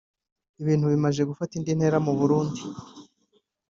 Ibintu bikomeje gufata indi ntera mu Burundi